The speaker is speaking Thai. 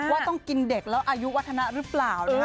ว่าต้องกินเด็กแล้วอายุวัฒนะหรือเปล่านะคะ